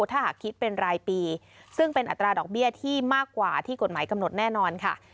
ถ้าหากคิดเป็นรายปีซึ่งเป็นอัตราดอกเบี้ยที่มากกว่าที่กฎหมายกำหนดแน่นอนค่ะ